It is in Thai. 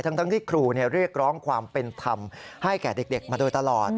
ทั้งที่ครูเรียกร้องความเป็นธรรมให้แก่เด็กมาโดยตลอด